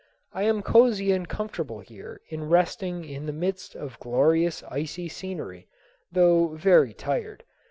I am cozy and comfortable here resting in the midst of glorious icy scenery, though very tired.